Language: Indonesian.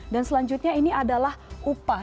dan selanjutnya ini adalah upah